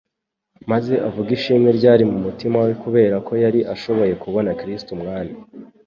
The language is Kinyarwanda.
maze avuga ishimwe ryari mu mutima we kubera ko yari ashoboye kubona Kristo Umwami.